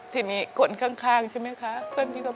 ทีนี้คนข้างใช่ไหมคะ